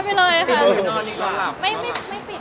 ไม่ได้มีอะไรเพี้ยว